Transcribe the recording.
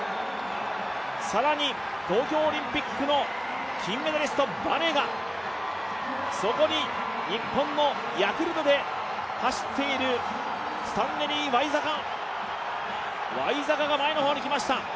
更に東京オリンピックの金メダリスト、バレガ、そこに日本のヤクルトで走っているスタンネリー・ワイザカ、ワイザカが前の方に来ました。